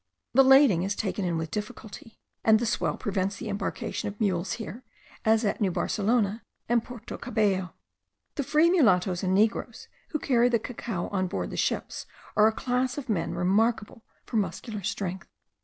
The lading is taken in with difficulty, and the swell prevents the embarkation of mules here, as at New Barcelona and Porto Cabello. The free mulattoes and negroes, who carry the cacao on board the ships, are a class of men remarkable for muscular strength.